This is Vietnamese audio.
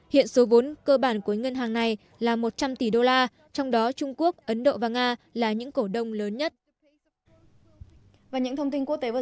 hiện số vốn cơ bản của ngân hàng này là một trăm linh tỷ đô la trong đó trung quốc ấn độ và nga là những cổ đông lớn nhất